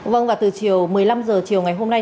vâng và từ chiều một mươi năm h chiều ngày hôm nay